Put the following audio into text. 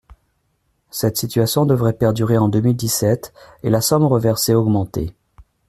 Cette situation devrait perdurer en deux mille dix-sept et la somme reversée augmenter.